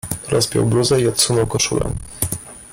"Rozpiął bluzę i odsunął koszulę."